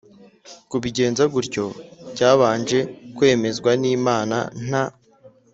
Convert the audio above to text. kubigenza gutyo cyabanje kwemezwa n inama nta